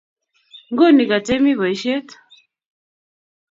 Nguni katemi boisiet?